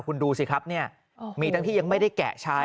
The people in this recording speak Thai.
คุณดูสิครับเนี่ยมีทั้งที่ยังไม่ได้แกะใช้